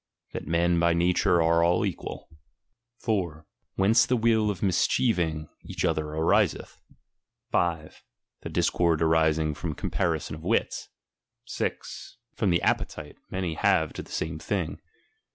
That men by nature are all equal. ■* Whence the will of mischieving each other ariseth. 5. The •discord arising from comparison of wits. 6. From the appeiile Oiany have to the same thing.